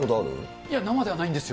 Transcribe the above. いや、生ではないんですよ。